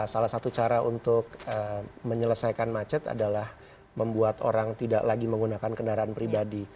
salah satu cara untuk menyelesaikan macet adalah membuat orang tidak lagi menggunakan kendaraan pribadi